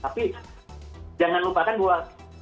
tapi jangan lupakan gue